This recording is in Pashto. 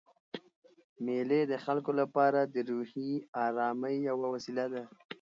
مېلې د خلکو له پاره د روحي آرامۍ یوه وسیله ده.